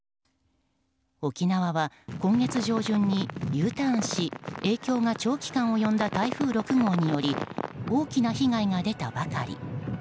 沖縄は、今月上旬にＵターンし影響が長期間に及んだ台風６号により大きな被害が出たばかり。